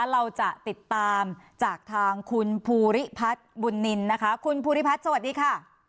เราจะติดตามจากทางคุณภูริพัฒน์บุญนินนะคะคุณภูริพัฒน์สวัสดีค่ะ